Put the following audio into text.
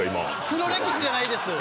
黒歴史じゃないです！